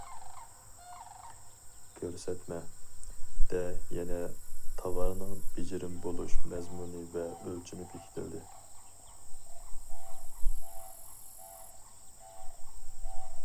« كۆرسەتمە» دە يەنە تاۋارنىڭ بېجىرىم بولۇش مەزمۇنى ۋە ئۆلچىمى بېكىتىلدى.